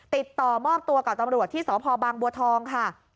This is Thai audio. ติดต่อมอบตัวกับตำรวจที่สพบางบัวทองค่ะ